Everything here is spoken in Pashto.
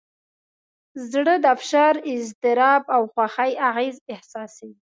زړه د فشار، اضطراب، او خوښۍ اغېز احساسوي.